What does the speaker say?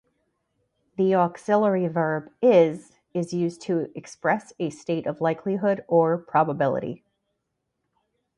The auxiliary verb "is" is used to express a state of likelihood or probability.